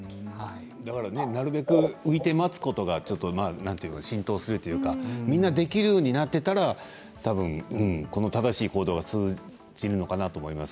なるべく浮いて待つことが浸透するというかできるようになっていたら正しい行動ができるのかなと思います。